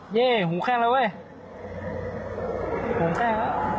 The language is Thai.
เย้หูแข้งแล้วเว้ย